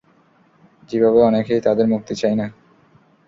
যেভাবে অনেকেই তাদের মুক্তি চায় না।